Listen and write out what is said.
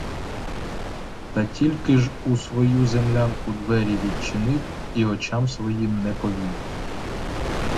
Та тільки ж у свою землянку двері відчинив, і очам своїм не повірив.